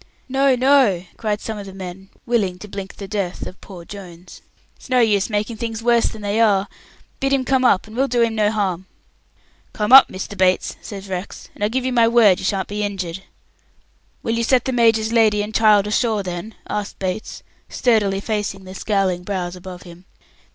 "No, no," cried some of the men, willing to blink the death of poor Jones. "It's no use making things worse than they are. Bid him come up, and we'll do him no harm." "Come up, Mr. Bates," says Rex, "and I give you my word you sha'n't be injured." "Will you set the major's lady and child ashore, then?" asked Bates, sturdily facing the scowling brows above him.